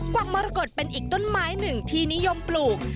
วักมรกฏเป็นอีกต้นไม้หนึ่งที่นิยมปลูก